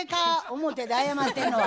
表で謝ってんのは。